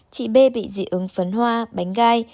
chị b bị dị ứng phấn hoa bánh gai